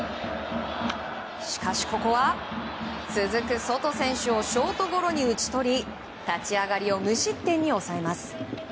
しかしここは続くソト選手をショートゴロに打ち取り立ち上がりを無失点に抑えます。